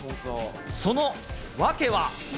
その訳は。